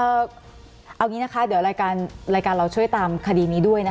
เอาอย่างนี้นะคะเดี๋ยวรายการรายการเราช่วยตามคดีนี้ด้วยนะคะ